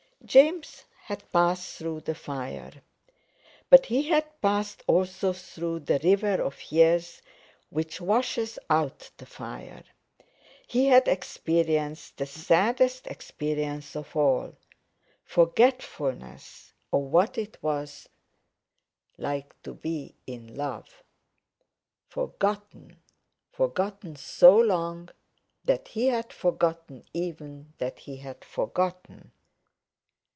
James had passed through the fire, but he had passed also through the river of years which washes out the fire; he had experienced the saddest experience of all—forgetfulness of what it was like to be in love. Forgotten! Forgotten so long, that he had forgotten even that he had forgotten.